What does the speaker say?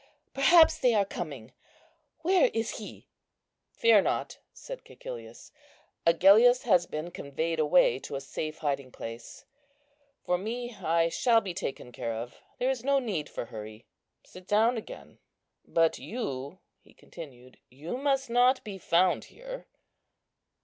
perhaps they are coming; where is he?" "Fear not," said Cæcilius; "Agellius has been conveyed away to a safe hiding place; for me, I shall be taken care of; there is no need for hurry; sit down again. But you," he continued, "you must not be found here."